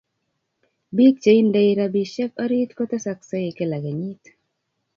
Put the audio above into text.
Bik cheindei rabisiek orit kotesakse kila kenyit.